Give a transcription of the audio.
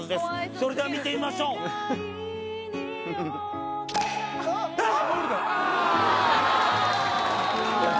それでは見てみましょうあーっ！